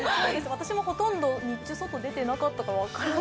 私もほとんど日中外に出ていなかったから分からない。